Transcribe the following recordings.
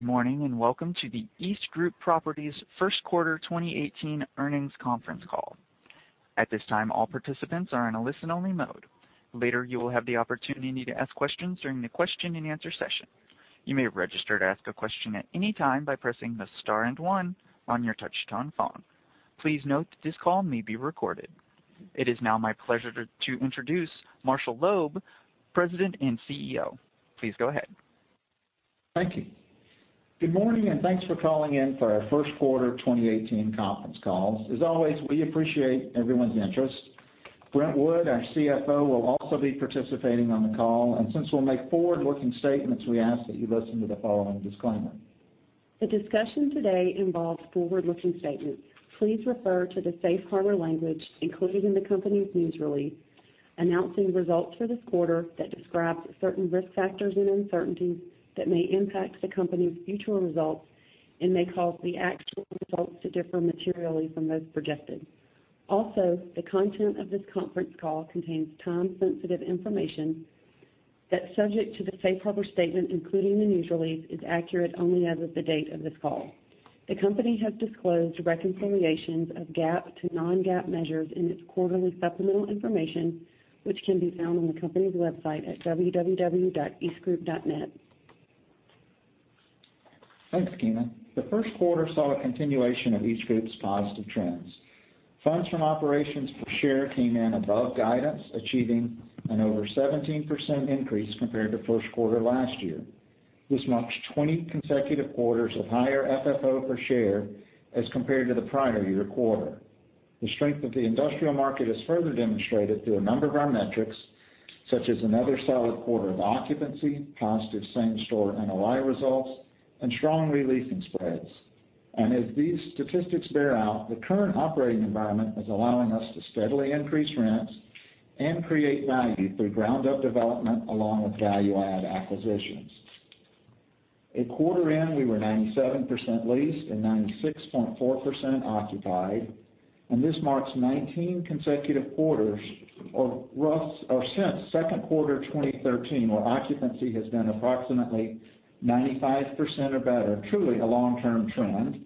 Good morning, and welcome to the EastGroup Properties first quarter 2018 earnings conference call. At this time, all participants are in a listen-only mode. Later, you will have the opportunity to ask questions during the question-and-answer session. You may register to ask a question at any time by pressing the star and one on your touchtone phone. Please note that this call may be recorded. It is now my pleasure to introduce Marshall Loeb, President and CEO. Please go ahead. Thank you. Good morning, and thanks for calling in for our first quarter 2018 conference call. As always, we appreciate everyone's interest. Brent Wood, our CFO, will also be participating on the call, and since we'll make forward-looking statements, we ask that you listen to the following disclaimer. The discussion today involves forward-looking statements. Please refer to the safe harbor language included in the company's news release announcing results for this quarter that describes certain risk factors and uncertainties that may impact the company's future results and may cause the actual results to differ materially from those projected. Also, the content of this conference call contains time-sensitive information that's subject to the safe harbor statement included in the news release is accurate only as of the date of this call. The company has disclosed reconciliations of GAAP to non-GAAP measures in its quarterly supplemental information, which can be found on the company's website at www.eastgroup.net. Thanks, Keena. The first quarter saw a continuation of EastGroup's positive trends. Funds from operations per share came in above guidance, achieving an over 17% increase compared to first quarter last year. This marks 20 consecutive quarters of higher FFO per share as compared to the prior year quarter. The strength of the industrial market is further demonstrated through a number of our metrics, such as another solid quarter of occupancy, positive same-store NOI results, and strong re-leasing spreads. As these statistics bear out, the current operating environment is allowing us to steadily increase rents and create value through ground-up development, along with value-add acquisitions. At quarter end, we were 97% leased and 96.4% occupied, and this marks 19 consecutive quarters or since second quarter 2013, where occupancy has been approximately 95% or better, truly a long-term trend.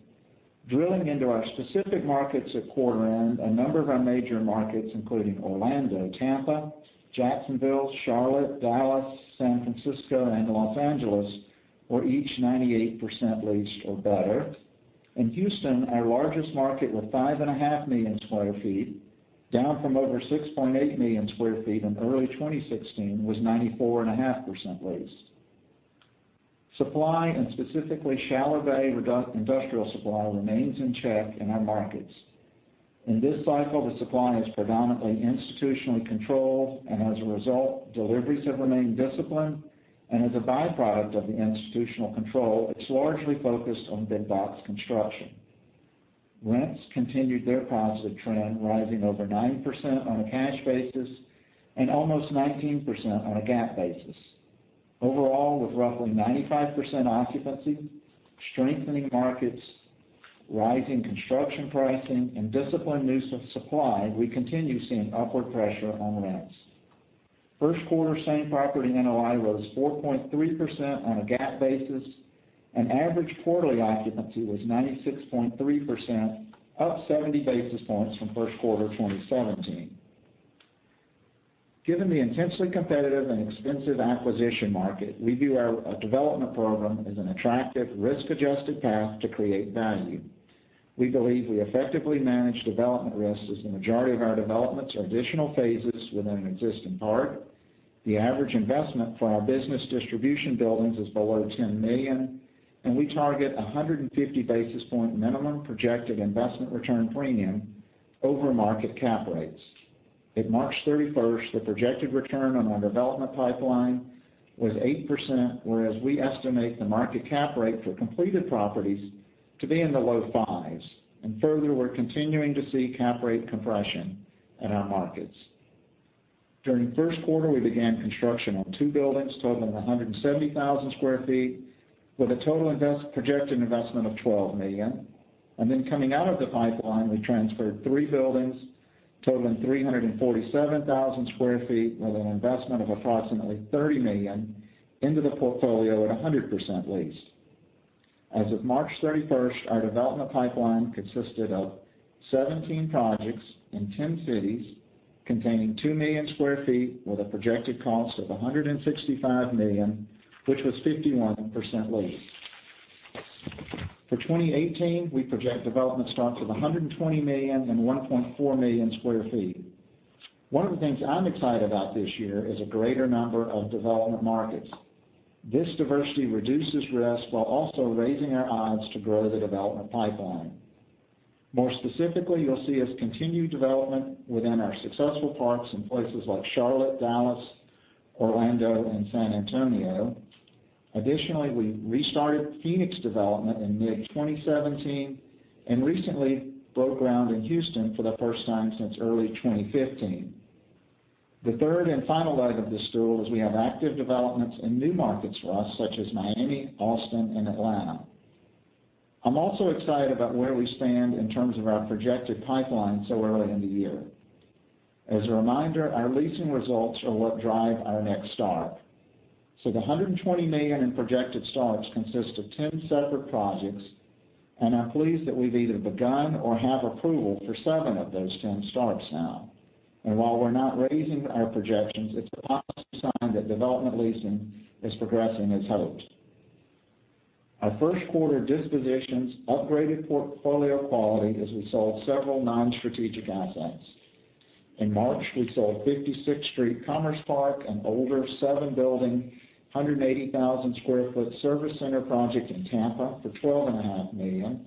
Drilling into our specific markets at quarter end, a number of our major markets, including Orlando, Tampa, Jacksonville, Charlotte, Dallas, San Francisco, and Los Angeles, were each 98% leased or better. In Houston, our largest market with 5.5 million square feet, down from over 6.8 million square feet in early 2016, was 94.5% leased. Supply, and specifically shallow bay industrial supply, remains in check in our markets. In this cycle, the supply is predominantly institutionally controlled. As a result, deliveries have remained disciplined. As a byproduct of the institutional control, it's largely focused on big box construction. Rents continued their positive trend, rising over 9% on a cash basis and almost 19% on a GAAP basis. Overall, with roughly 95% occupancy, strengthening markets, rising construction pricing, and disciplined use of supply, we continue seeing upward pressure on rents. First quarter same-property NOI was 4.3% on a GAAP basis. Average quarterly occupancy was 96.3%, up 70 basis points from first quarter 2017. Given the intensely competitive and expensive acquisition market, we view our development program as an attractive risk-adjusted path to create value. We believe we effectively manage development risks as the majority of our developments are additional phases within an existing park. The average investment for our business distribution buildings is below $10 million. We target 150 basis point minimum projected investment return premium over market cap rates. At March 31st, the projected return on our development pipeline was 8%, whereas we estimate the market cap rate for completed properties to be in the low fives. Further, we're continuing to see cap rate compression in our markets. During first quarter, we began construction on two buildings totaling 170,000 square feet, with a total projected investment of $12 million. Coming out of the pipeline, we transferred three buildings totaling 347,000 square feet with an investment of approximately $30 million into the portfolio at 100% leased. As of March 31st, our development pipeline consisted of 17 projects in 10 cities containing two million square feet with a projected cost of $165 million, which was 51% leased. For 2018, we project development starts of $120 million and 1.4 million square feet. One of the things I'm excited about this year is a greater number of development markets. This diversity reduces risk while also raising our odds to grow the development pipeline. More specifically, you'll see us continue development within our successful parks in places like Charlotte, Dallas, Orlando, and San Antonio. Additionally, we restarted Phoenix development in mid-2017 and recently broke ground in Houston for the first time since early 2015. The third and final leg of this stool is we have active developments in new markets for us, such as Miami, Austin, and Atlanta. I'm also excited about where we stand in terms of our projected pipeline so early in the year. As a reminder, our leasing results are what drive our next start. The $120 million in projected starts consists of 10 separate projects. I'm pleased that we've either begun or have approval for seven of those 10 starts now. While we're not raising our projections, it's a positive sign that development leasing is progressing as hoped. Our first quarter dispositions upgraded portfolio quality as we sold several non-strategic assets. In March, we sold 56th Street Commerce Park, an older seven-building, 180,000 sq ft service center project in Tampa for $12.5 million.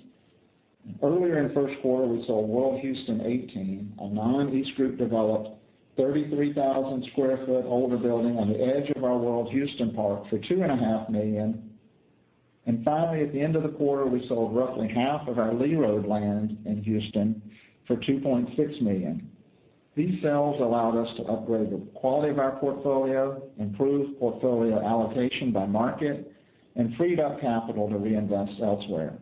Earlier in the first quarter, we sold World Houston 18, a non-EastGroup developed, 33,000 sq ft older building on the edge of our World Houston Park for $2.5 million. Finally, at the end of the quarter, we sold roughly half of our Lee Road land in Houston for $2.6 million. These sales allowed us to upgrade the quality of our portfolio, improve portfolio allocation by market, and freed up capital to reinvest elsewhere.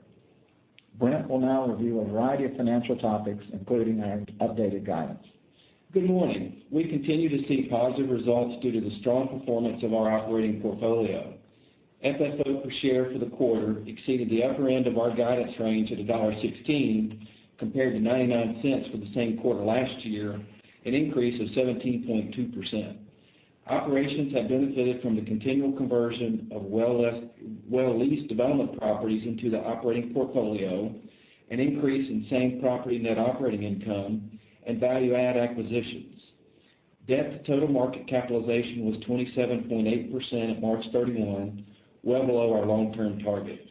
Brent will now review a variety of financial topics, including our updated guidance. Good morning. We continue to see positive results due to the strong performance of our operating portfolio. FFO per share for the quarter exceeded the upper end of our guidance range at $1.16 compared to $0.99 for the same quarter last year, an increase of 17.2%. Operations have benefited from the continual conversion of well-leased development properties into the operating portfolio, an increase in same-property net operating income, and value-add acquisitions. Debt to total market capitalization was 27.8% at March 31, well below our long-term target.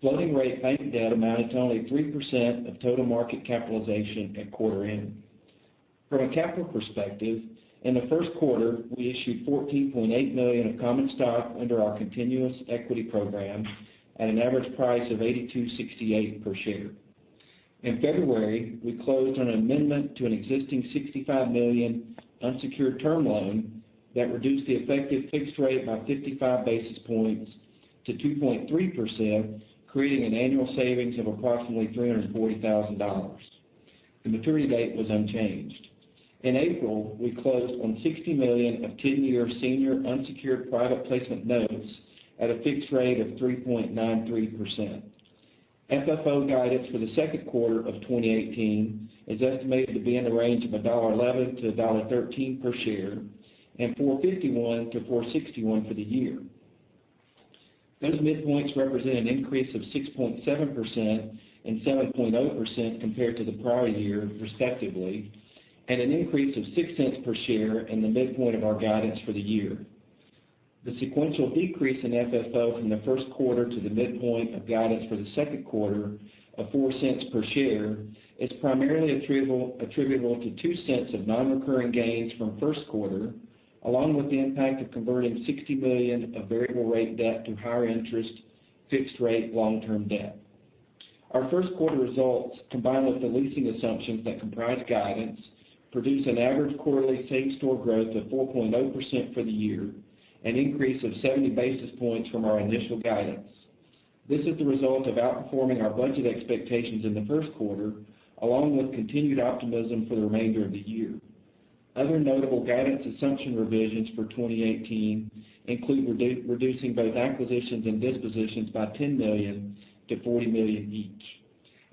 Floating rate bank debt amounted to only 3% of total market capitalization at quarter end. From a capital perspective, in the first quarter, we issued $14.8 million of common stock under our continuous equity program at an average price of $82.68 per share. In February, we closed on an amendment to an existing $65 million unsecured term loan that reduced the effective fixed rate by 55 basis points to 2.3%, creating an annual savings of approximately $340,000. The maturity date was unchanged. In April, we closed on $60 million of 10-year senior unsecured private placement notes at a fixed rate of 3.93%. FFO guidance for the second quarter of 2018 is estimated to be in the range of $1.11 to $1.13 per share and $4.51 to $4.61 for the year. Those midpoints represent an increase of 6.7% and 7.0% compared to the prior year, respectively, and an increase of $0.06 per share in the midpoint of our guidance for the year. The sequential decrease in FFO from the first quarter to the midpoint of guidance for the second quarter of $0.04 per share is primarily attributable to $0.02 of non-recurring gains from first quarter, along with the impact of converting $60 million of variable rate debt to higher interest fixed rate long-term debt. Our first quarter results, combined with the leasing assumptions that comprise guidance, produce an average quarterly same-store growth of 4.0% for the year, an increase of 70 basis points from our initial guidance. This is the result of outperforming our budget expectations in the first quarter, along with continued optimism for the remainder of the year. Other notable guidance assumption revisions for 2018 include reducing both acquisitions and dispositions by $10 million-$40 million each.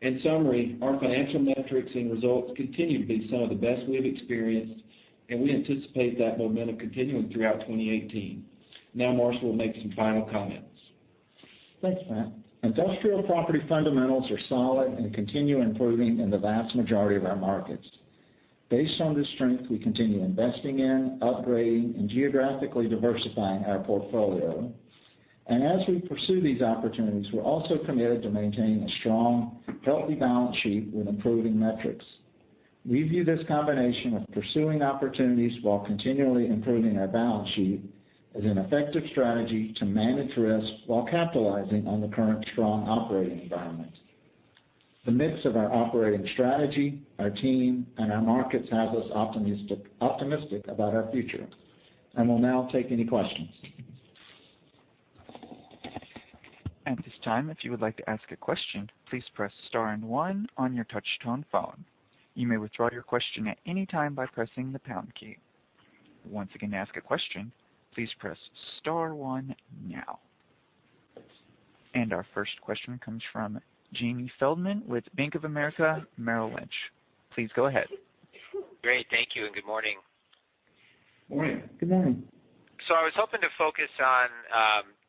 In summary, our financial metrics and results continue to be some of the best we have experienced, and we anticipate that momentum continuing throughout 2018. Now, Marshall will make some final comments. Thanks, Brent. Industrial property fundamentals are solid and continue improving in the vast majority of our markets. Based on this strength, we continue investing in, upgrading, and geographically diversifying our portfolio. As we pursue these opportunities, we're also committed to maintaining a strong, healthy balance sheet with improving metrics. We view this combination of pursuing opportunities while continually improving our balance sheet as an effective strategy to manage risk while capitalizing on the current strong operating environment. The mix of our operating strategy, our team, and our markets have us optimistic about our future. We'll now take any questions. At this time, if you would like to ask a question, please press * and 1 on your touch-tone phone. You may withdraw your question at any time by pressing the # key. Once again, to ask a question, please press *1 now. Our first question comes from Jamie Feldman with Bank of America Merrill Lynch. Please go ahead. Great. Thank you, and good morning. Morning. Good morning. I was hoping to focus on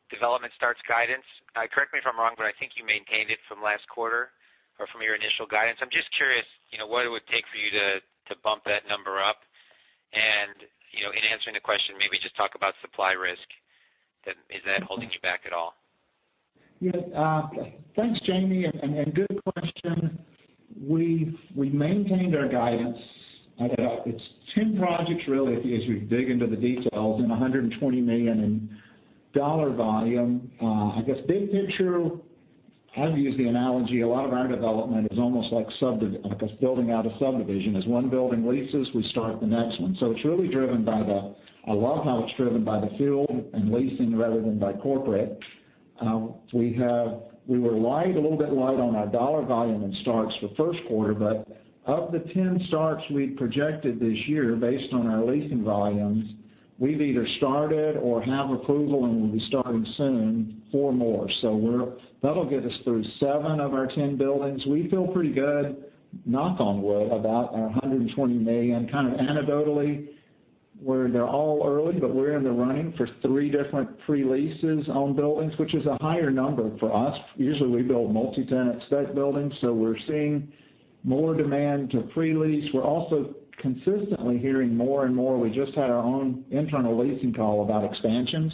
development starts guidance. Correct me if I'm wrong, but I think you maintained it from last quarter or from your initial guidance. I'm just curious, what it would take for you to bump that number up. In answering the question, maybe just talk about supply risk. Is that holding you back at all? Yeah. Thanks, Jamie, and good question. We've maintained our guidance. It's 10 projects really, as we dig into the details, and $120 million in dollar volume. I guess big picture, I've used the analogy, a lot of our development is almost like building out a subdivision. As one building leases, we start the next one. A lot of how it's driven by the field and leasing rather than by corporate. We were a little bit light on our dollar volume in starts for first quarter. But of the 10 starts we'd projected this year, based on our leasing volumes, we've either started or have approval and will be starting soon four more. That'll get us through seven of our 10 buildings. We feel pretty good, knock on wood, about our $120 million. Kind of anecdotally, they're all early, but we're in the running for three different pre-leases on buildings, which is a higher number for us. Usually, we build multi-tenant state buildings, so we're seeing more demand to pre-lease. We're also consistently hearing more and more. We just had our own internal leasing call about expansions.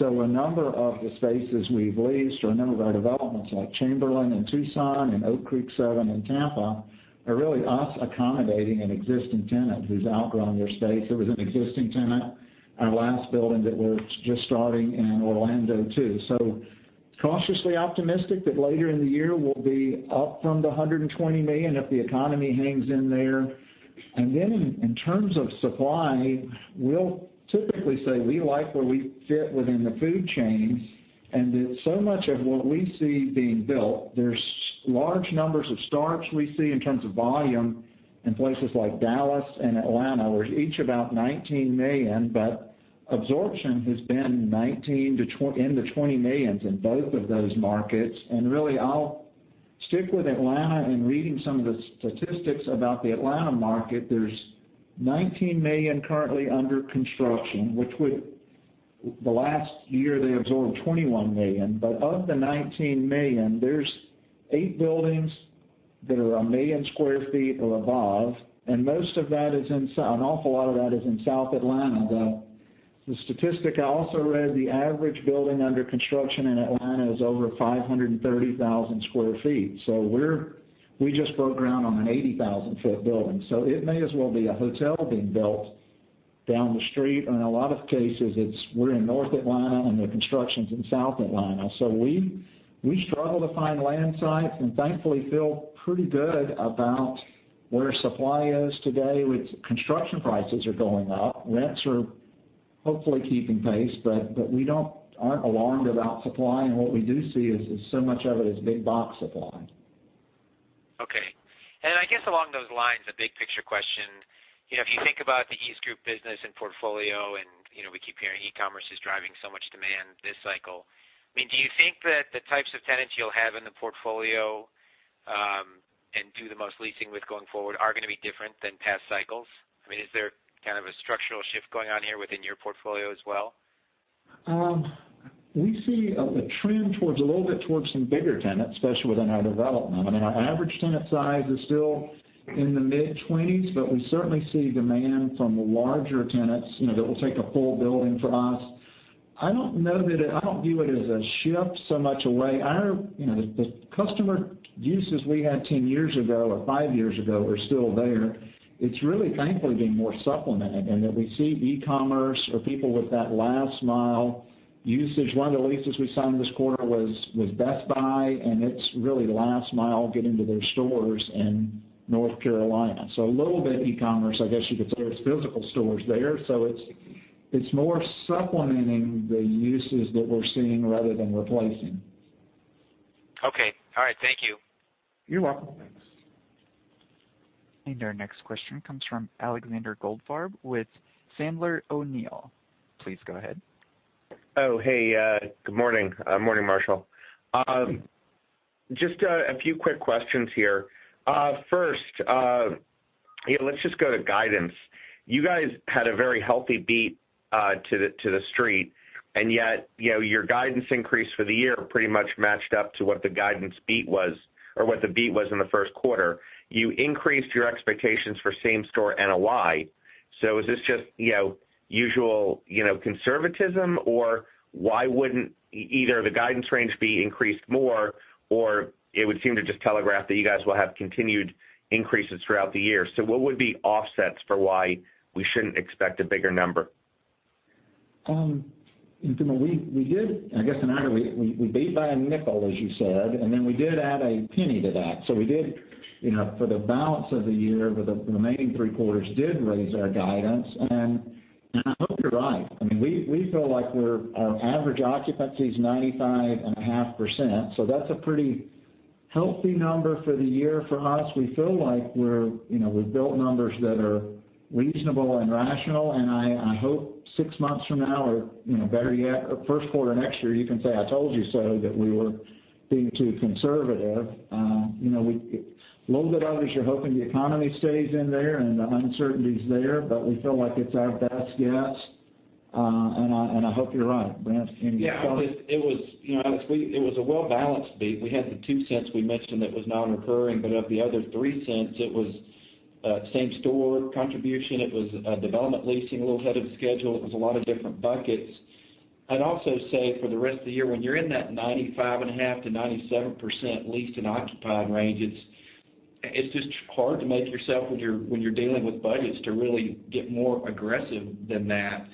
A number of the spaces we've leased or a number of our developments, like Chamberlain in Tucson and Oak Creek Seven in Tampa, are really us accommodating an existing tenant who's outgrown their space. There was an existing tenant, our last building that we're just starting in Orlando, too. Cautiously optimistic that later in the year, we'll be up from the $120 million if the economy hangs in there. In terms of supply, we'll typically say we like where we fit within the food chain, and that so much of what we see being built, there's large numbers of starts we see in terms of volume in places like Dallas and Atlanta, where each about $19 million, but absorption has been $19 million-$20 million in both of those markets. Really, I'll stick with Atlanta. In reading some of the statistics about the Atlanta market, there's $19 million currently under construction. The last year, they absorbed $21 million. Of the $19 million, there's eight buildings that are 1 million square feet or above, and an awful lot of that is in South Atlanta. The statistic I also read, the average building under construction in Atlanta is over 530,000 square feet. We just broke ground on an 80,000-foot building. It may as well be a hotel being built down the street. In a lot of cases, we're in North Atlanta, and the construction's in South Atlanta. We struggle to find land sites, and thankfully feel pretty good about where supply is today with construction prices are going up. Rents are hopefully keeping pace. We aren't alarmed about supply, and what we do see is so much of it is big box supply. Okay. I guess along those lines, a big picture question. If you think about the EastGroup business and portfolio, and we keep hearing e-commerce is driving so much demand this cycle. Do you think that the types of tenants you'll have in the portfolio, and do the most leasing with going forward, are going to be different than past cycles? Is there kind of a structural shift going on here within your portfolio as well? We see a trend towards a little bit towards some bigger tenants, especially within our development. Our average tenant size is still in the mid-20s, but we certainly see demand from larger tenants that will take a full building for us. I don't view it as a shift so much away. The customer uses we had 10 years ago or five years ago are still there. It's really thankfully being more supplemented, and that we see e-commerce or people with that last mile usage. One of the leases we signed this quarter was Best Buy, and it's really last mile getting to their stores in North Carolina. A little bit e-commerce, I guess you could say. It's physical stores there. It's more supplementing the uses that we're seeing rather than replacing. Okay. All right. Thank you. You're welcome. Our next question comes from Alexander Goldfarb with Sandler O'Neill. Please go ahead. Oh, hey, good morning. Morning, Marshall. Just a few quick questions here. First, let's just go to guidance. You guys had a very healthy beat to the street, and yet your guidance increase for the year pretty much matched up to what the guidance beat was or what the beat was in the first quarter. You increased your expectations for same store NOI. Is this just usual conservatism, or why wouldn't either the guidance range be increased more, or it would seem to just telegraph that you guys will have continued increases throughout the year? What would be offsets for why we shouldn't expect a bigger number? We did. I guess, we beat by $0.05, as you said, and then we did add $0.01 to that. We did, for the balance of the year, for the remaining three quarters, did raise our guidance. I hope you're right. Our average occupancy is 95.5%, so that's a pretty healthy number for the year for us. We feel like we've built numbers that are reasonable and rational, and I hope 6 months from now, or better yet, first quarter next year, you can say I told you so, that we were being too conservative. A little bit of it is you're hoping the economy stays in there and the uncertainty's there. We feel like it's our best guess. I hope you're right. Brent, any thoughts? Yeah, it was a well-balanced beat. We had the $0.02 we mentioned that was non-recurring, but of the other $0.03, it was same-store contribution. It was development leasing a little ahead of schedule. It was a lot of different buckets. I'd also say for the rest of the year, when you're in that 95.5%-97% leased and occupied range, it's just hard to make yourself, when you're dealing with budgets, to really get more aggressive than that.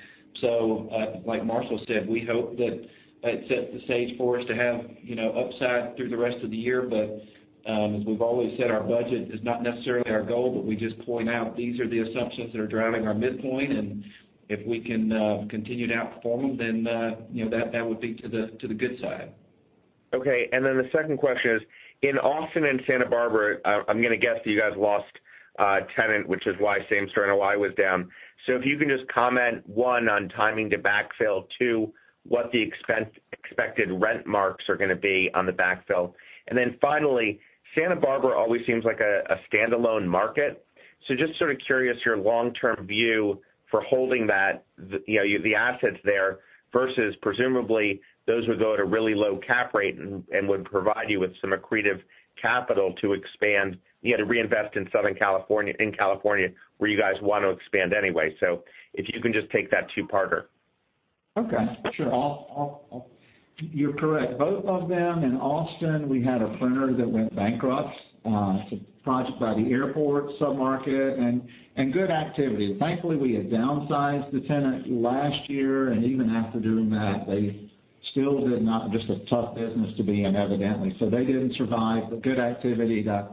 Like Marshall said, we hope that it sets the stage for us to have upside through the rest of the year. As we've always said, our budget is not necessarily our goal, but we just point out these are the assumptions that are driving our midpoint, and if we can continue to outperform them, then that would be to the good side. Okay. The second question is, in Austin and Santa Barbara, I'm going to guess that you guys lost a tenant, which is why same-store NOI was down. If you can just comment, one, on timing to backfill, two, what the expected rent marks are going to be on the backfill. Finally, Santa Barbara always seems like a standalone market. Just sort of curious your long-term view for holding the assets there versus presumably those would go at a really low cap rate and would provide you with some accretive capital to expand. You had to reinvest in Southern California, where you guys want to expand anyway. If you can just take that two-parter. Okay, sure. You're correct. Both of them. In Austin, we had a printer that went bankrupt. It's a project by the airport sub-market, and good activity. Thankfully, we had downsized the tenant last year, and even after doing that, Just a tough business to be in, evidently. They didn't survive, but good activity to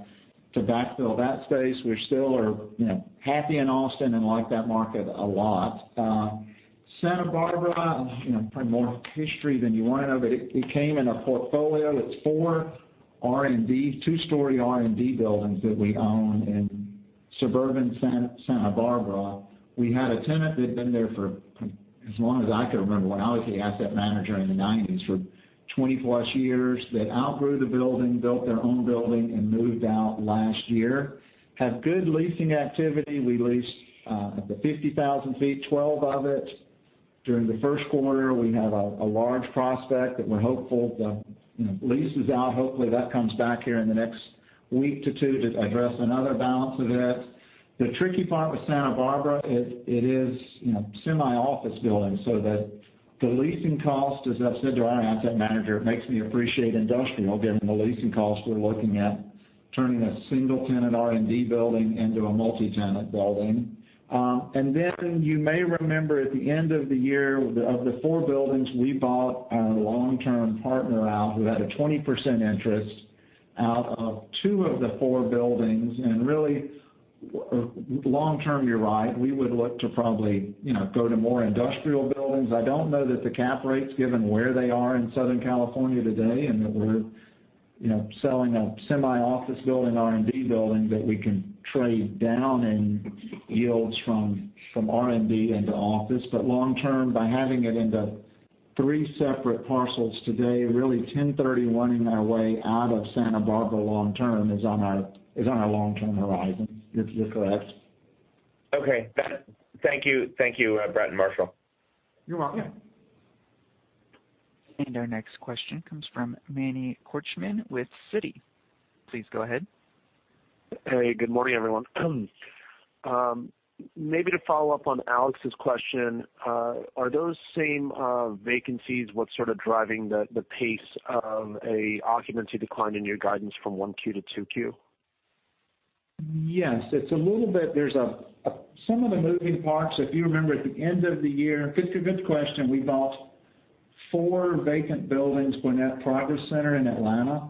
backfill that space. We still are happy in Austin and like that market a lot. Santa Barbara, probably more history than you want to know, but it came in a portfolio that's 4 R&D, two-story R&D buildings that we own in suburban Santa Barbara. We had a tenant that had been there for as long as I could remember, when I was the asset manager in the 1990s, for 20+ years, that outgrew the building, built their own building and moved out last year. Have good leasing activity. We leased the 50,000 sq ft, 12 of it. During the first quarter, we have a large prospect that we're hopeful the lease is out. Hopefully, that comes back here in the next week to two to address another balance of it. The tricky part with Santa Barbara, it is semi-office building, so that the leasing cost, as I've said to our asset manager, it makes me appreciate industrial, given the leasing costs we're looking at, turning a single-tenant R&D building into a multi-tenant building. You may remember at the end of the year, of the four buildings, we bought our long-term partner out, who had a 20% interest out of two of the four buildings. Really long-term, you're right, we would look to probably go to more industrial buildings. I don't know that the cap rates, given where they are in Southern California today, that we're selling a semi-office building, R&D building, that we can trade down in yields from R&D into office. Long-term, by having it into three separate parcels today, really 1031-ing our way out of Santa Barbara long-term is on our long-term horizon. You're correct. Okay. Thank you, Brent and Marshall. You're welcome. Our next question comes from Manny Korchman with Citi. Please go ahead. Hey, good morning, everyone. Maybe to follow up on Alexander's question. Are those same vacancies what's sort of driving the pace of a occupancy decline in your guidance from 1Q to 2Q? Some of the moving parts, if you remember at the end of the year. Good question. We bought four vacant buildings, Gwinnett Progress Center in Atlanta,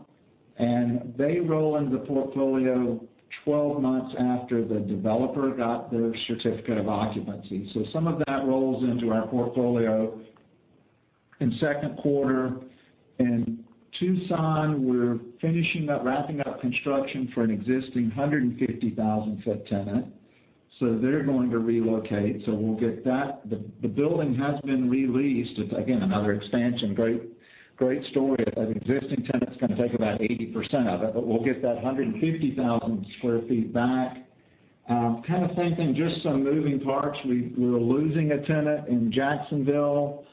and they roll into the portfolio 12 months after the developer got their certificate of occupancy. Some of that rolls into our portfolio in second quarter. In Tucson, we're finishing up wrapping up construction for an existing 150,000-foot tenant. They're going to relocate, so we'll get that. The building has been re-leased. It's, again, another expansion. Great story of existing tenants going to take about 80% of it. We'll get that 150,000 square feet back. Kind of thinking just some moving parts. We were losing a tenant in Jacksonville,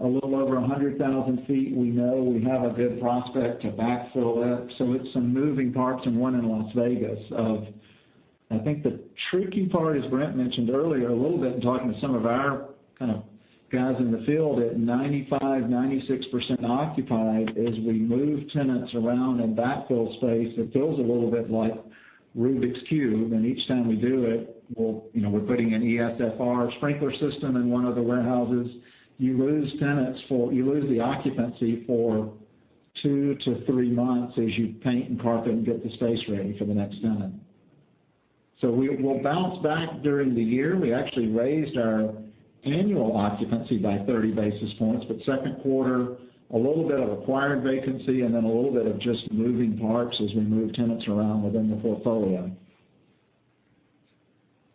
a little over 100,000 feet. We know we have a good prospect to backfill it. It's some moving parts and one in Las Vegas of I think the tricky part, as Brent mentioned earlier a little bit in talking to some of our kind of guys in the field, at 95%, 96% occupied, as we move tenants around and backfill space, it feels a little bit like Rubik's Cube. Each time we do it, we're putting an ESFR sprinkler system in one of the warehouses. You lose the occupancy for 2 to 3 months as you paint and carpet and get the space ready for the next tenant. We'll bounce back during the year. We actually raised our annual occupancy by 30 basis points. Second quarter, a little bit of acquired vacancy and then a little bit of just moving parts as we move tenants around within the portfolio.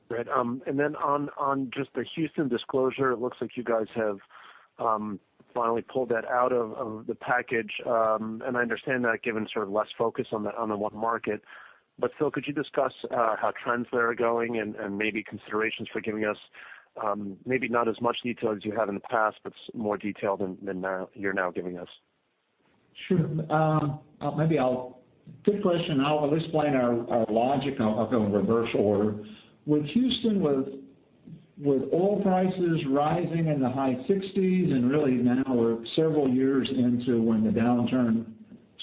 Great. On just the Houston disclosure, it looks like you guys have finally pulled that out of the package. I understand that given sort of less focus on the one market. Marshall, could you discuss how trends there are going and maybe considerations for giving us, maybe not as much detail as you have in the past, but more detail than you're now giving us? Sure. Good question. I'll explain our logic. I'll go in reverse order. With Houston, with oil prices rising in the high 60s and really now we're several years into when the downturn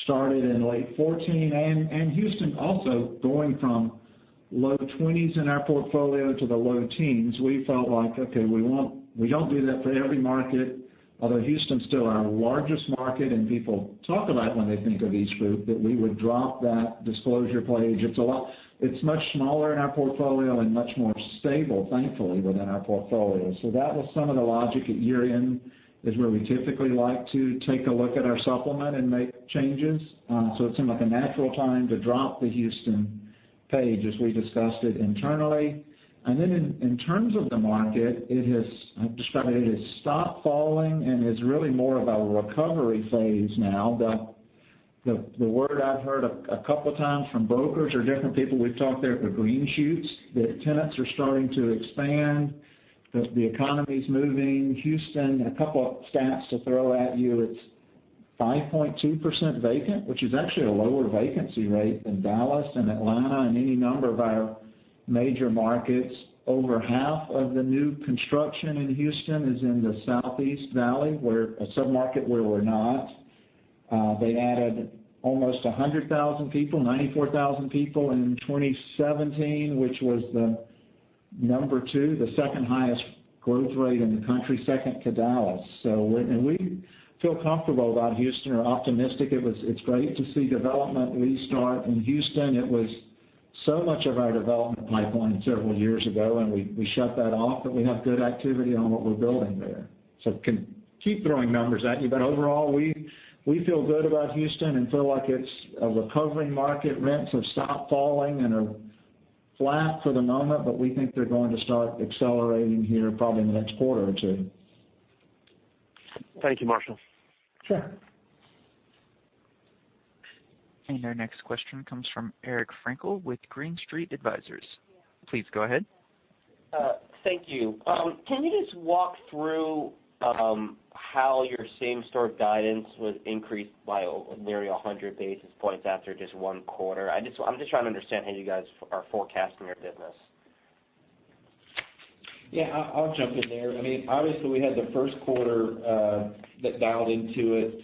started in late 2014. Houston also going from low 20s in our portfolio to the low teens. We felt like, okay, we don't do that for every market, although Houston's still our largest market, and people talk about it when they think of EastGroup, that we would drop that disclosure page. It's much smaller in our portfolio and much more stable, thankfully, within our portfolio. That was some of the logic. At year-end is where we typically like to take a look at our supplement and make changes. It seemed like a natural time to drop the Houston page as we discussed it internally. In terms of the market, I've described it has stopped falling and is really more of a recovery phase now. The word I've heard a couple times from brokers or different people we've talked to are the green shoots, that tenants are starting to expand, that the economy's moving. Houston, a couple of stats to throw at you, it's 5.2% vacant, which is actually a lower vacancy rate than Dallas and Atlanta and any number of our major markets. Over half of the new construction in Houston is in the Southeast Valley, a sub-market where we're not. They added almost 100,000 people, 94,000 people in 2017, which was the number 2, the second highest growth rate in the country, second to Dallas. We feel comfortable about Houston. We're optimistic. It's great to see development restart in Houston. It was so much of our development pipeline several years ago, we shut that off, we have good activity on what we're building there. Can keep throwing numbers at you, overall, we feel good about Houston and feel like it's a recovering market. Rents have stopped falling and are flat for the moment, we think they're going to start accelerating here probably in the next quarter or two. Thank you, Marshall. Sure. Our next question comes from Eric Frankel with Green Street Advisors. Please go ahead. Thank you. Can you just walk through how your same store guidance was increased by nearly 100 basis points after just one quarter? I'm just trying to understand how you guys are forecasting your business. I'll jump in there. Obviously, we had the first quarter, that dialed into it,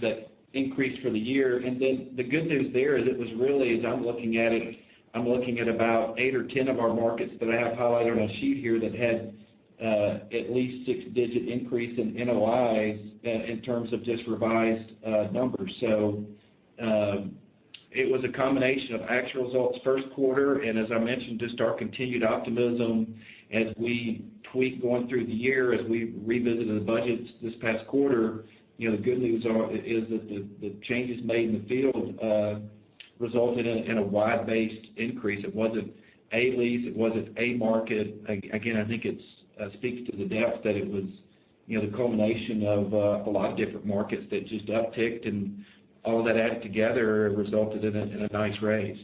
that increased for the year. The good news there is it was really, as I'm looking at it, I'm looking at about eight or 10 of our markets that I have highlighted on a sheet here that had at least six-digit increase in NOIs in terms of just revised numbers. It was a combination of actual results first quarter, and as I mentioned, just our continued optimism as we tweak going through the year, as we revisited the budgets this past quarter. The good news is that the changes made in the field resulted in a wide-based increase. It wasn't a lease, it wasn't a market. I think it speaks to the depth that it was the culmination of a lot of different markets that just upticked, and all that added together resulted in a nice raise.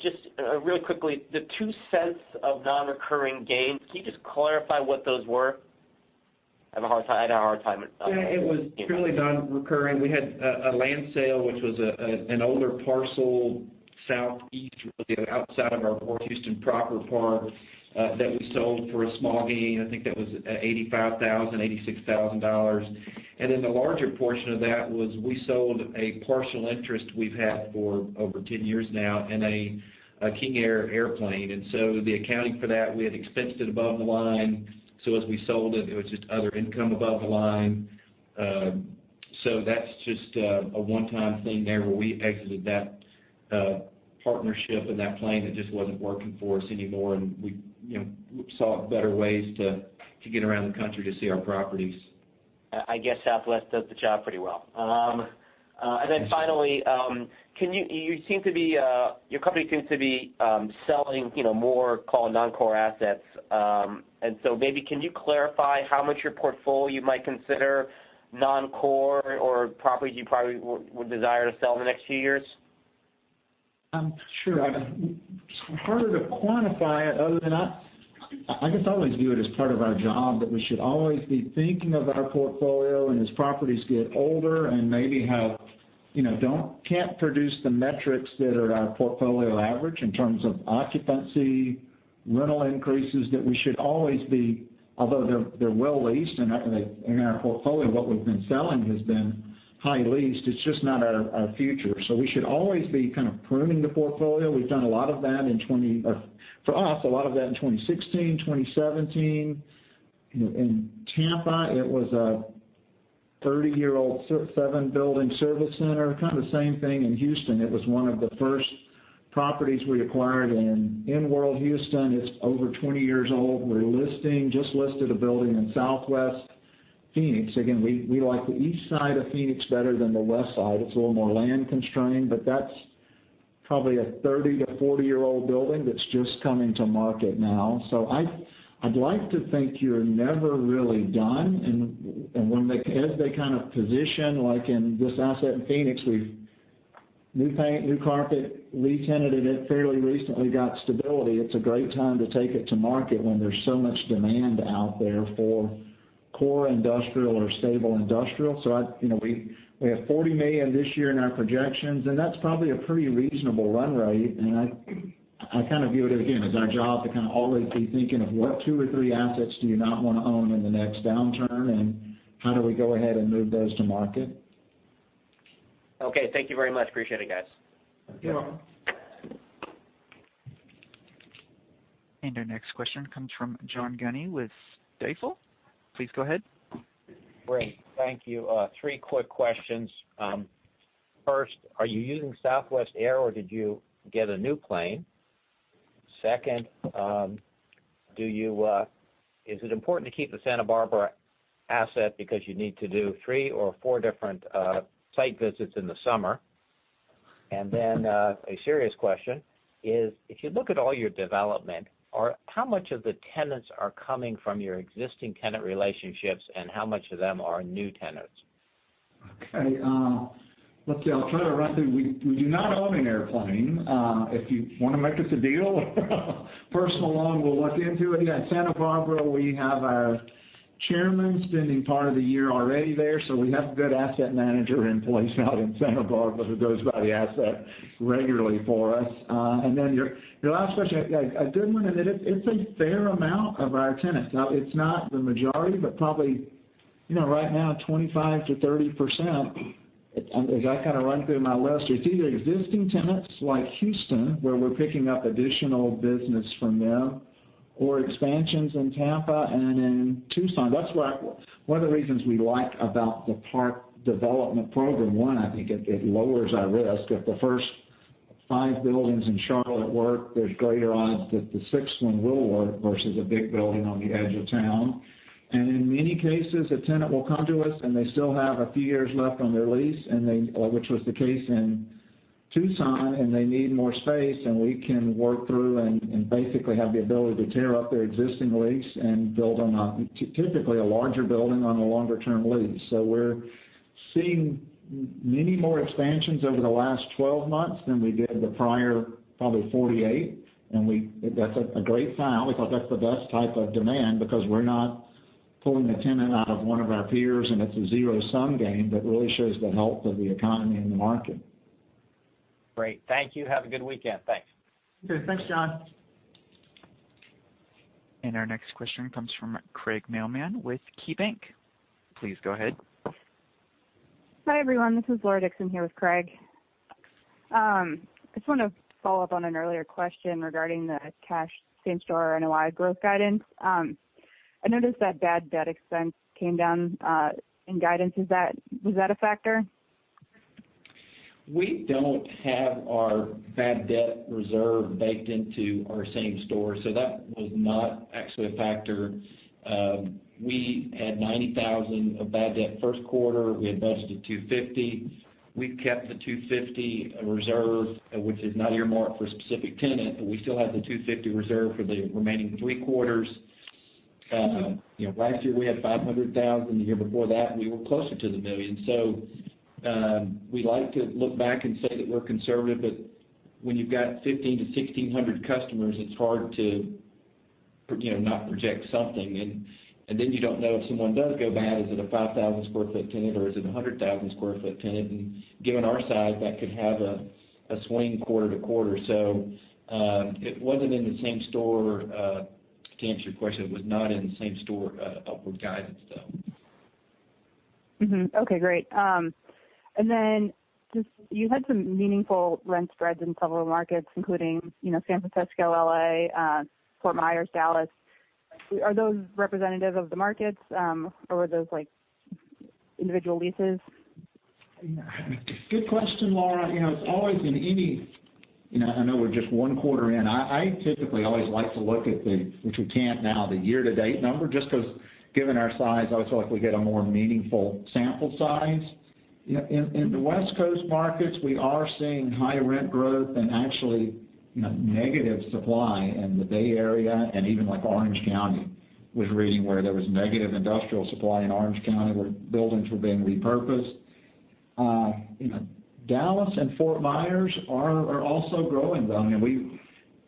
Just really quickly, the $0.02 of non-recurring gains. Can you just clarify what those were? I had a hard time. It was purely non-recurring. We had a land sale, which was an older parcel southeast, outside of our North Houston proper part, that we sold for a small gain. I think that was $85,000, $86,000. The larger portion of that was we sold a partial interest we've had for over 10 years now in a King Air airplane. The accounting for that, we had expensed it above the line. As we sold it was just other income above the line. That's just a one-time thing there where we exited that partnership and that plane. It just wasn't working for us anymore, and we saw better ways to get around the country to see our properties. I guess Southwest does the job pretty well. Finally, your company seems to be selling more non-core assets. Maybe can you clarify how much your portfolio you might consider non-core or properties you probably would desire to sell in the next few years? Sure. It's harder to quantify it other than I guess I always view it as part of our job, that we should always be thinking of our portfolio. As properties get older and maybe can't produce the metrics that are our portfolio average in terms of occupancy, rental increases, although they're well leased. In our portfolio, what we've been selling has been high leased. It's just not our future. We should always be kind of pruning the portfolio. We've done a lot of that, for us, a lot of that in 2016, 2017. In Tampa, it was a 30-year-old, seven-building service center. Kind of the same thing in Houston. It was one of the first properties we acquired in World Houston. It's over 20 years old. We're listing, just listed a building in Southwest Phoenix. Again, we like the east side of Phoenix better than the west side. It's a little more land-constrained, that's probably a 30 to 40-year-old building that's just coming to market now. I'd like to think you're never really done, and as they kind of position, like in this asset in Phoenix, we've new paint, new carpet, re-tenanted it fairly recently, got stability. It's a great time to take it to market when there's so much demand out there for core industrial or stable industrial. We have $40 million this year in our projections, and that's probably a pretty reasonable run rate. I kind of view it, again, as our job to kind of always be thinking of what two or three assets do you not want to own in the next downturn, and how do we go ahead and move those to market. Okay. Thank you very much. Appreciate it, guys. You're welcome. Our next question comes from John Guinee with Stifel. Please go ahead. Great. Thank you. Three quick questions. First, are you using Southwest Air, or did you get a new plane? Second, is it important to keep the Santa Barbara asset because you need to do three or four different site visits in the summer? Then a serious question is, if you look at all your development, how much of the tenants are coming from your existing tenant relationships, and how much of them are new tenants? Okay. Let's see. I'll try to run through. We do not own an airplane. If you want to make us a deal, personal loan, we'll look into it. At Santa Barbara, we have our chairman spending part of the year already there, so we have a good asset manager in place out in Santa Barbara who goes by the asset regularly for us. Then your last question, a good one, and it's a fair amount of our tenants. Now, it's not the majority, but probably right now 25%-30%. As I run through my list, it's either existing tenants like Houston, where we're picking up additional business from them, or expansions in Tampa and in Tucson. That's one of the reasons we like about the park development program. One, I think it lowers our risk. If the first five buildings in Charlotte work, there's greater odds that the sixth one will work, versus a big building on the edge of town. In many cases, a tenant will come to us, and they still have a few years left on their lease, which was the case in Tucson, and they need more space, and we can work through and basically have the ability to tear up their existing lease and build typically a larger building on a longer-term lease. We're seeing many more expansions over the last 12 months than we did the prior, probably 48. That's a great sign. We thought that's the best type of demand because we're not pulling a tenant out of one of our peers, and it's a zero-sum game that really shows the health of the economy and the market. Great. Thank you. Have a good weekend. Thanks. Okay. Thanks, John. Our next question comes from Craig Mailman with KeyBanc. Please go ahead. Hi, everyone. This is Laura Dixon here with Craig. Just want to follow up on an earlier question regarding the cash same-store NOI growth guidance. I noticed that bad debt expense came down in guidance. Was that a factor? We don't have our bad debt reserve baked into our same store, that was not actually a factor. We had $90,000 of bad debt Q1. We invested $250. We've kept the $250 reserve, which is not earmarked for a specific tenant, but we still have the $250 reserve for the remaining three quarters. Last year, we had $500,000. The year before that, we were closer to $1 million. We like to look back and say that we're conservative, but when you've got 15-1,600 customers, it's hard to not project something. You don't know if someone does go bad, is it a 5,000 sq ft tenant or is it a 100,000 sq ft tenant? Given our size, that could have a swing quarter to quarter. To answer your question, it was not in the same store upward guidance though. Okay, great. Just, you had some meaningful rent spreads in several markets, including San Francisco, L.A., Fort Myers, Dallas. Are those representative of the markets, or were those individual leases? Good question, Laura. I know we're just one quarter in. I typically always like to look at the which we can't now, the year-to-date number, just because given our size, I always feel like we get a more meaningful sample size. In the West Coast markets, we are seeing high rent growth and actually negative supply in the Bay Area and even like Orange County. Was reading where there was negative industrial supply in Orange County, where buildings were being repurposed. Dallas and Fort Myers are also growing, though.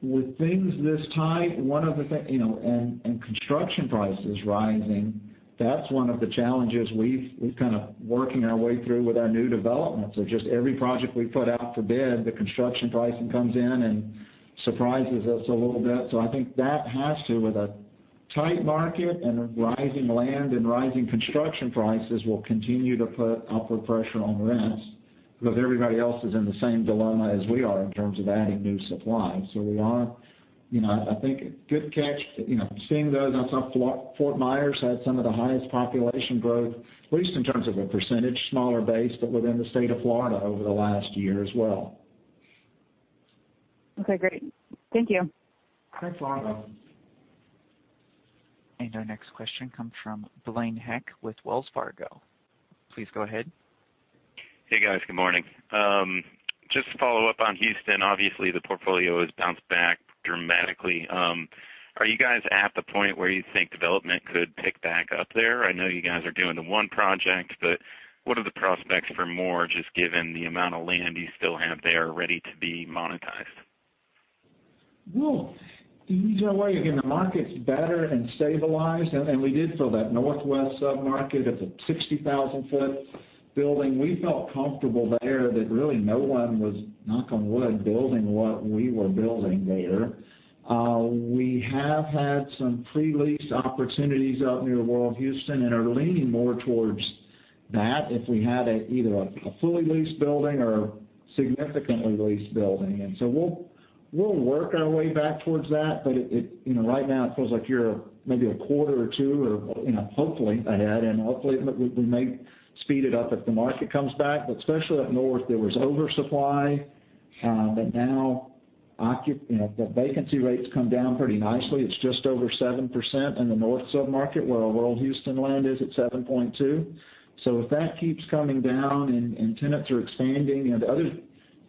With things this tight and construction prices rising, that's one of the challenges we've kind of working our way through with our new developments, of just every project we put out for bid, the construction pricing comes in and surprises us a little bit. I think that has to, with a tight market and rising land and rising construction prices, will continue to put upward pressure on rents because everybody else is in the same dilemma as we are in terms of adding new supply. I think good catch. Seeing those, I saw Fort Myers had some of the highest population growth, at least in terms of a %, smaller base, but within the state of Florida over the last year as well. Okay, great. Thank you. Thanks, Laura. Our next question comes from Blaine Heck with Wells Fargo. Please go ahead. Hey, guys. Good morning. Just to follow up on Houston, obviously the portfolio has bounced back dramatically. Are you guys at the point where you think development could pick back up there? I know you guys are doing the one project, but what are the prospects for more, just given the amount of land you still have there ready to be monetized? Either way, again, the market's better and stabilized. We did feel that northwest submarket, it's a 60,000 sq ft building. We felt comfortable there that really no one was, knock on wood, building what we were building there. We have had some pre-lease opportunities out near World Houston and are leaning more towards that if we had either a fully leased building or significantly leased building. We'll work our way back towards that. Right now, it feels like you're maybe a quarter or two or hopefully ahead, and hopefully, we may speed it up if the market comes back. Especially up north, there was oversupply. The vacancy rate's come down pretty nicely. It's just over 7% in the north submarket, where overall Houston land is at 7.2%. If that keeps coming down and tenants are expanding, the other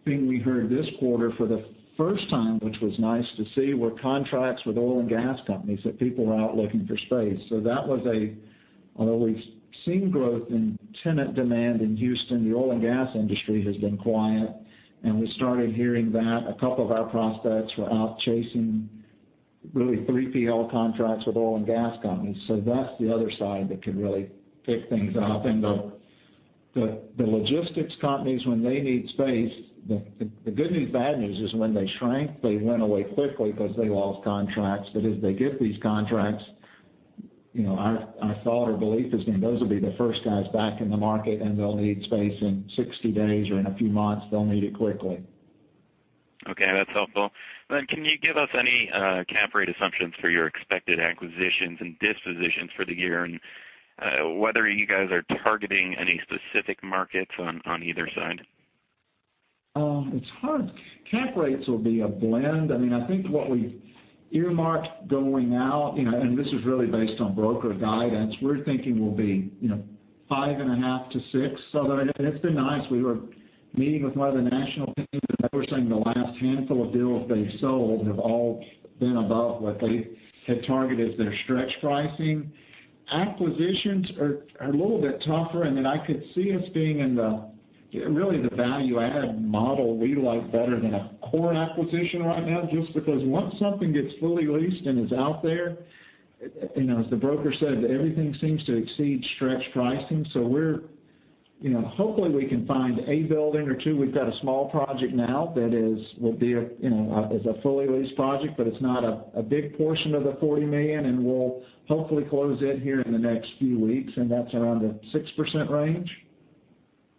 thing we heard this quarter for the first time, which was nice to see, were contracts with oil and gas companies, that people are out looking for space. Although we've seen growth in tenant demand in Houston, the oil and gas industry has been quiet, and we started hearing that. A couple of our prospects were out chasing really 3PL contracts with oil and gas companies. That's the other side that could really pick things up. The logistics companies, when they need space, the good news, bad news is when they shrank, they went away quickly because they lost contracts. As they get these contracts, our thought or belief is then those will be the first guys back in the market, and they'll need space in 60 days or in a few months. They'll need it quickly. That's helpful. Can you give us any cap rate assumptions for your expected acquisitions and dispositions for the year, and whether you guys are targeting any specific markets on either side? It's hard. Cap rates will be a blend. I think what we've earmarked going out, this is really based on broker guidance, we're thinking we'll be 5.5%-6%. It's been nice. We were meeting with one of the national teams, they were saying the last handful of deals they've sold have all been above what they had targeted as their stretch pricing. Acquisitions are a little bit tougher in that I could see us being in the value-add model we like better than a core acquisition right now, just because once something gets fully leased and is out there, as the broker said, everything seems to exceed stretch pricing. Hopefully we can find a building or two. We've got a small project now that is a fully leased project, it's not a big portion of the $40 million, we'll hopefully close it here in the next few weeks, that's around the 6% range.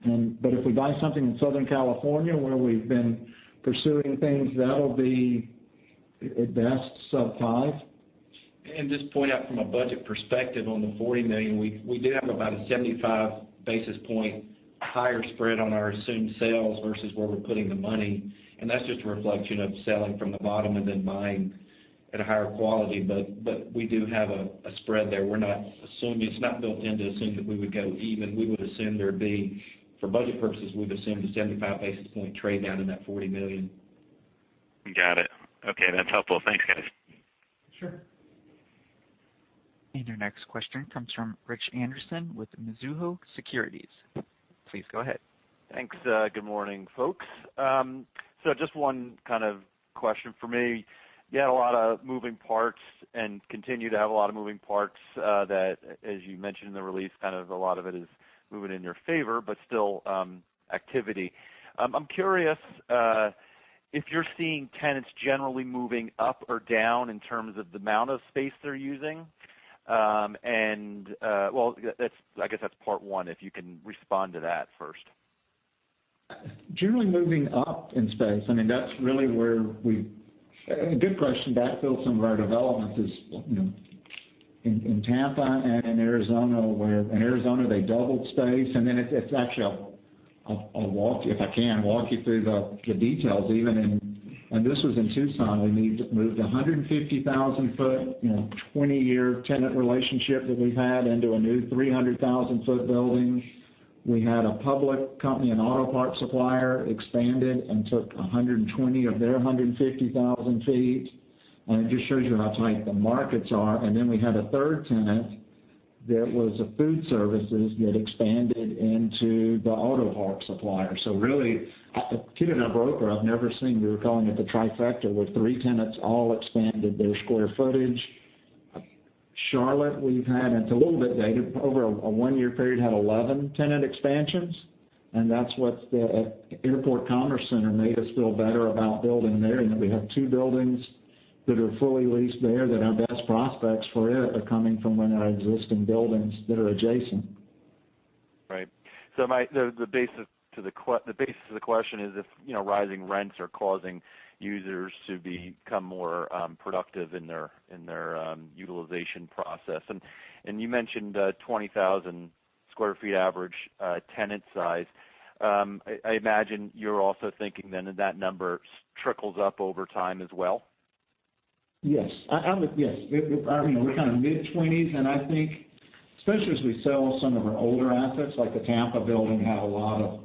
If we buy something in Southern California where we've been pursuing things, that'll be at best sub-5%. Just point out from a budget perspective on the $40 million, we do have about a 75 basis point higher spread on our assumed sales versus where we're putting the money, that's just a reflection of selling from the bottom and buying at a higher quality. We do have a spread there. It's not built in to assume that we would go even. For budget purposes, we've assumed a 75 basis point trade down in that $40 million. Got it. Okay, that's helpful. Thanks, guys. Sure. Your next question comes from Rich Anderson with Mizuho Securities. Please go ahead. Thanks. Good morning, folks. Just one kind of question from me. You had a lot of moving parts and continue to have a lot of moving parts that, as you mentioned in the release, kind of a lot of it is moving in your favor, but still activity. I'm curious if you're seeing tenants generally moving up or down in terms of the amount of space they're using. Well, I guess that's part one, if you can respond to that first. Generally moving up in space. A good question. That builds some of our developments in Tampa and in Arizona, where in Arizona they doubled space. Then it's actually, if I can, walk you through the details even in This was in Tucson. We moved 150,000 foot, 20-year tenant relationship that we've had into a new 300,000-foot building. We had a public company, an auto parts supplier, expanded and took 120 of their 150,000 feet. It just shows you how tight the markets are. Then we had a third tenant that was a food services that expanded into the auto parts supplier. Really, a tenant and a broker I've never seen. We were calling it the trifecta, where three tenants all expanded their square footage. Charlotte, we've had, it's a little bit dated, over a one-year period, had 11 tenant expansions, that's what the Airport Commerce Center made us feel better about building there, that we have two buildings that are fully leased there that our best prospects for it are coming from one of our existing buildings that are adjacent. The basis of the question is if rising rents are causing users to become more productive in their utilization process. You mentioned 20,000 square feet average tenant size. I imagine you're also thinking then that number trickles up over time as well? Yes. We're kind of mid-20s, I think especially as we sell some of our older assets, like the Tampa building had a lot of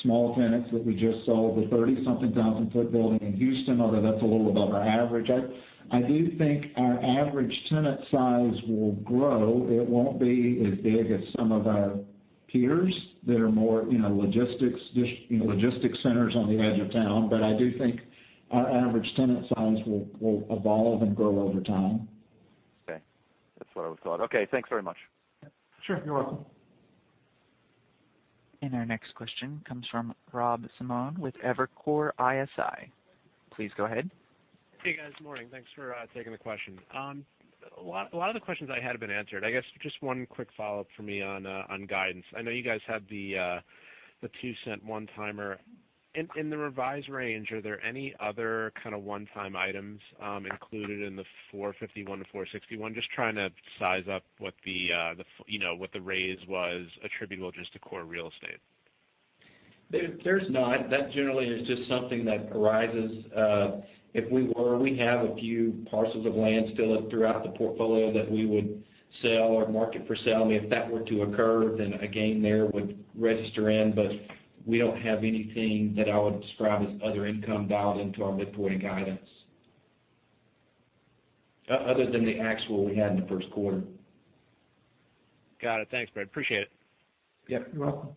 small tenants that we just sold. The 30-something-thousand foot building in Houston, although that's a little above our average. I do think our average tenant size will grow. It won't be as big as some of our peers that are more logistics centers on the edge of town. I do think our average tenant size will evolve and grow over time. Okay. That's what I would thought. Okay, thanks very much. Sure. You're welcome. Our next question comes from Rob Simone with Evercore ISI. Please go ahead. Hey, guys. Morning. Thanks for taking the question. A lot of the questions I had have been answered. I guess just one quick follow-up from me on guidance. I know you guys had the $0.02 one-timer. In the revised range, are there any other kind of one-time items included in the $4.51-$4.61? Just trying to size up what the raise was attributable just to core real estate. There's not. That generally is just something that arises. We have a few parcels of land still throughout the portfolio that we would sell or market for sale, and if that were to occur, then a gain there would register in. We don't have anything that I would describe as other income dialed into our midpoint guidance. Other than the actual we had in the first quarter. Got it. Thanks, Brent. Appreciate it. Yep, you're welcome.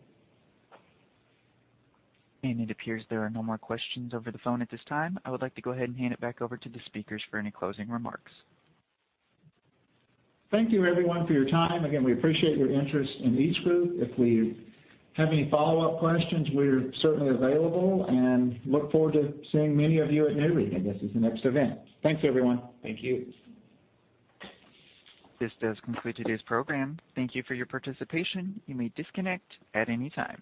It appears there are no more questions over the phone at this time. I would like to go ahead and hand it back over to the speakers for any closing remarks. Thank you everyone for your time. Again, we appreciate your interest in EastGroup. If we have any follow-up questions, we're certainly available and look forward to seeing many of you at Nareit, I guess, is the next event. Thanks, everyone. Thank you. This does conclude today's program. Thank you for your participation. You may disconnect at any time.